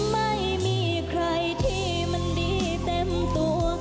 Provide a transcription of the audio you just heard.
ไม่มีใครที่มันดีเต็มตัว